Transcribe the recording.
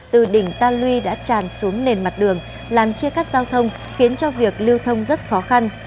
từ đỉnh ta lui đã tràn xuống nền mặt đường làm chia cắt giao thông khiến cho việc lưu thông rất khó khăn